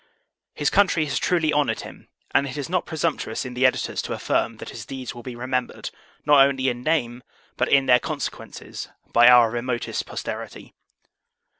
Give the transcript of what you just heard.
His country has truly honoured him; and it is not presumptuous in the Editors to affirm, that his deeds will be remembered, not only in name, but in their consequences, by our remotest posterity.